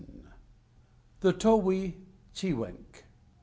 ] THE TOWHEE; CHEWINK.